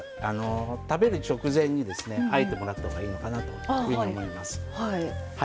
食べる直前にあえてもらった方がいいのかなと思います。